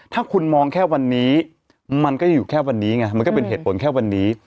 ถ้าคุณมองแค่วันนี้มันก็อยู่แค่วันนี้ไงมันก็เป็นเหตุผลแค่วันนี้